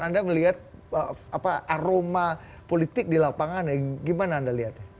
anda melihat aroma politik di lapangan ya gimana anda lihatnya